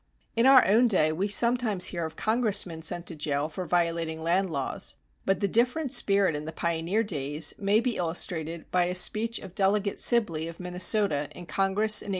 In our own day we sometimes hear of congressmen sent to jail for violating land laws; but the different spirit in the pioneer days may be illustrated by a speech of Delegate Sibley of Minnesota in Congress in 1852.